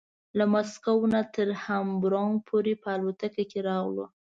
له مسکو نه تر هامبورګ پورې په الوتکه کې راغلو.